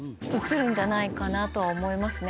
んじゃないかなとは思いますね。